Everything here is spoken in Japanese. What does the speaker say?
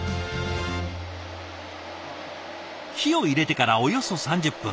火を入れてからおよそ３０分。